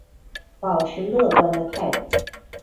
抱持乐观的态度